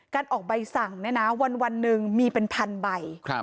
การออกใบสั่งเนี่ยนะวันหนึ่งมีเป็นพันใบ